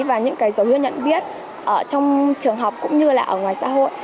và những cái dấu hiệu nhận biết trong trường học cũng như là ở ngoài xã hội